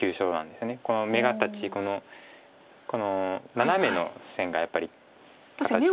この眼形このナナメの線がやっぱり形なので。